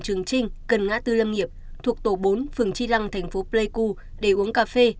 trường trinh cần ngã tư lâm nghiệp thuộc tổ bốn phường chi lăng tp pleiku để uống cà phê